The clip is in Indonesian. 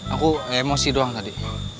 aku emosi doang tadi